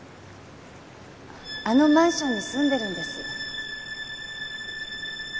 あのマンションに住んでるんです。